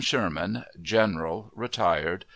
SHERMAN, General (retired).